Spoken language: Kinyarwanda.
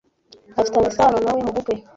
Afitanye isano na we mubukwe.